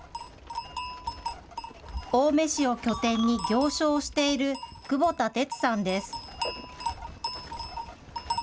青梅市を拠点に行商をしている久保田哲さんです。